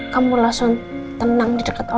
kamu langsung tenang di deket omsal